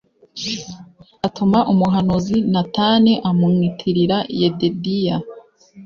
atuma umuhanuzi natani amumwitira yedidiya